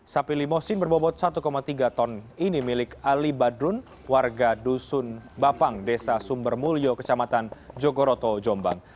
sapi limosin berbobot satu tiga ton ini milik ali badrun warga dusun bapang desa sumbermulyo kecamatan jogoroto jombang